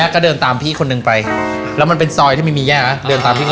เออเดินเริ่มไปส่งหนูมาตรง